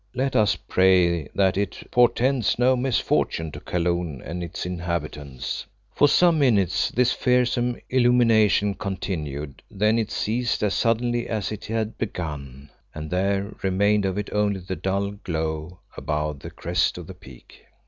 Let us pray that it portends no misfortune to Kaloon and its inhabitants." For some minutes this fearsome illumination continued, then it ceased as suddenly as it had begun, and there remained of it only the dull glow above the crest of the peak.